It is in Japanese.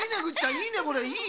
いいねこれいい。